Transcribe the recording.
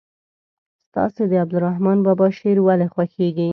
ستاسې د عبدالرحمان بابا شعر ولې خوښیږي.